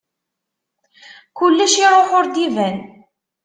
Kullec iruḥ ur d-iban.